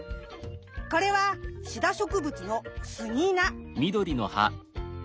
これはシダ植物のスギナ。